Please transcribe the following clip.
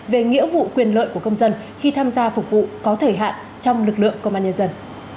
về nghĩa vụ quyền lợi của công dân khi tham gia phục vụ có thời hạn trong lực lượng công an nhân dân